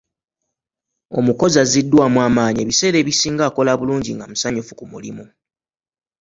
Omukozi azziddwamu amaanyi ebiseera ebisinga akola bulungi nga musanyufu ku mulimu.